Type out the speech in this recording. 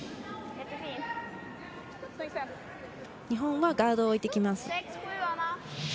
日本はガードを置いてきます。